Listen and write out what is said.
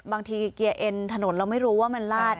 บางทีเกียร์เอ็นถนนเราไม่รู้ว่ามันลาด